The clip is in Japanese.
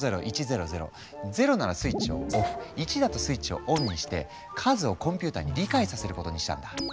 ０ならスイッチをオフ１だとスイッチをオンにして数をコンピューターに理解させることにしたんだ。